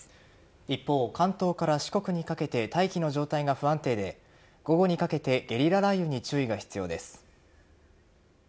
一方、関東から四国にかけて大気の状態が不安定で午後にかけてゲリラ雷雨に注意が必要です。